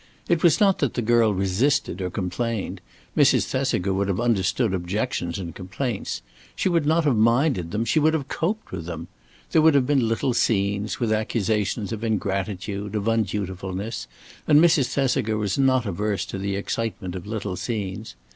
It was not that the girl resisted or complained. Mrs. Thesiger would have understood objections and complaints. She would not have minded them; she could have coped with them. There would have been little scenes, with accusations of ingratitude, of undutifulness, and Mrs. Thesiger was not averse to the excitement of little scenes.